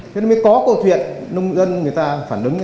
thế mới có câu chuyện nông dân người ta phản đứng